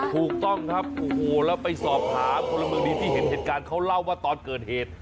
ถูกต้องครับโอ้โหแล้วไปสอบถามพลเมืองดีที่เห็นเหตุการณ์เขาเล่าว่าตอนเกิดเหตุ